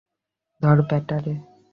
ধর বেটা রে!